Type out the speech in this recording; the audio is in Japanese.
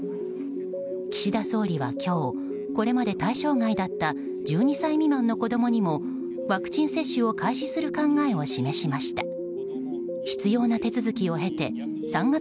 岸田総理は今日これまで対象外だった１２歳未満の子供にもワクチン接種を開始する考えを示しました。